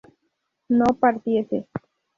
no partiese